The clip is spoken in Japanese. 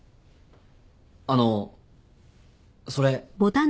あのそれ。